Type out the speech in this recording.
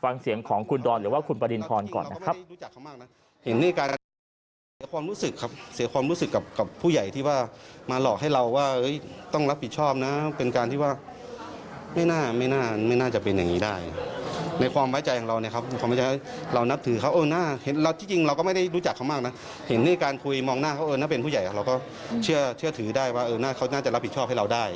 ฟังเสียงของคุณดอนหรือว่าคุณปริณพรก่อนนะครับ